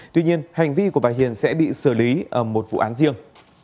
tuy nhiên hành vi của bà hiền sẽ bị xử lý ở một vụ án riêng